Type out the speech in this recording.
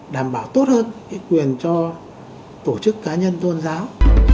đảm bảo tốt hơn cái quyền cho tổ chức cá nhân tôn giáo